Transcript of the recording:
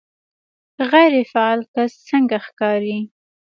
غیر فعال کس څنګه ښکاري